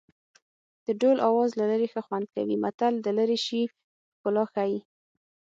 د ډول آواز له لرې ښه خوند کوي متل د لرې شي ښکلا ښيي